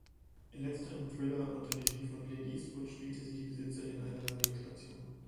In letzterem Thriller unter Regie von Clint Eastwood spielte sie die Besitzerin einer Radiostation.